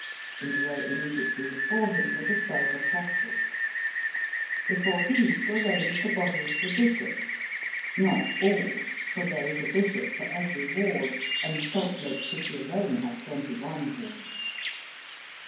In the row immediately before him were the Twelve Apostles. Before these were ranged a body of the Bishops — not Digitized by VjOOQIC 100 EAST BY WEST. all, for there is a Bishop for every ward, and Salt Lake City alone has twenty one wards.